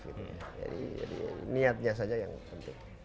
jadi niatnya saja yang penting